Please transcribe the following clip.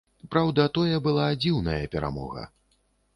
Праўда, тое была дзіўная перамога.